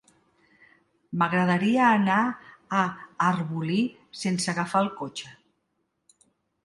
M'agradaria anar a Arbolí sense agafar el cotxe.